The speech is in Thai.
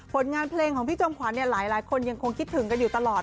ผลงานเพลงของพี่จอมขวัญหลายคนยังคงคิดถึงกันอยู่ตลอด